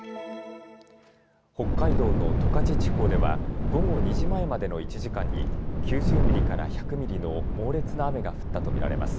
北海道の十勝地方では午後２時前までの１時間に９０ミリから１００ミリの猛烈な雨が降ったと見られます。